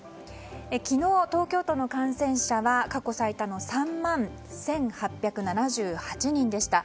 昨日、東京都の感染者は過去最多の３万１８７８人でした。